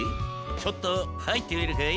ちょっとはいってみるかい？